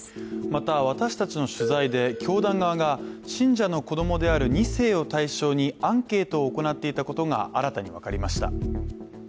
また、私たちの取材で教団側が信者の子供である２世を対象にアンケートを行っていたことが新たに分かりました。